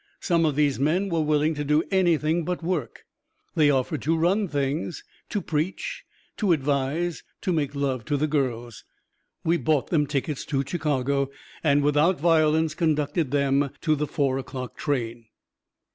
Some of these men were willing to do anything but work they offered to run things, to preach, to advise, to make love to the girls. We bought them tickets to Chicago, and without violence conducted them to the Four o'Clock train.